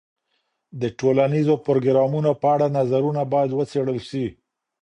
د ټولنیزو پروګرامونو په اړه نظرونه باید وڅېړل سي.